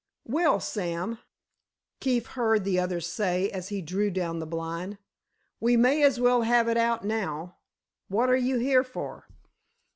"Well, Sam," Keefe heard the other say, as he drew down the blind, "we may as well have it out now. What are you here for?"